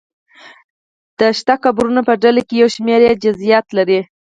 د شته قبرونو په ډله کې یو شمېر یې جزییات لري.